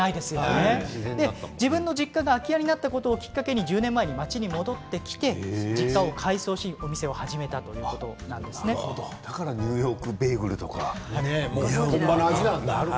自分の実家が空き家になったことをきっかけに１０年前に町に戻ってきて実家を改装して、お店を始めただからニューヨークベーグルとか似合うんですね。